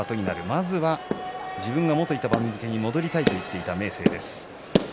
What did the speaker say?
まずは自分のもといた番付に戻りたいと言っていた明生です。